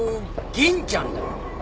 銀ちゃん？